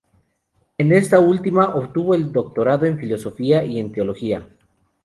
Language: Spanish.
En esta última obtuvo el doctorado en filosofía y en teología.